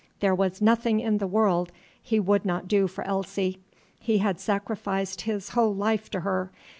There was nothing in the world he would not do for Elsie. He had sacrificed his whole life to her.